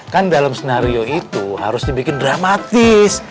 kan dalam skenario itu harus dibikin dramatis